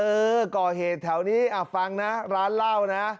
เออก่อเหตุแถวนี้ฟังนะร้านเหล้านะ